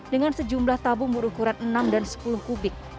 dengan sejumlah tabung berukuran enam dan sepuluh kubik